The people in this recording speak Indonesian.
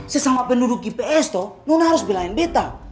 sesama penduduk ips toh nona harus belain beta